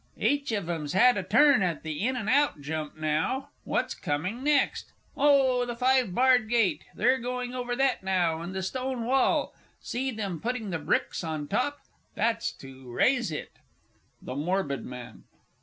Each of 'em's had a turn at the in and out jump now. What's coming next? Oh, the five barred gate they're going over that now, and the stone wall see them putting the bricks on top? That's to raise it. THE MORBID MAN.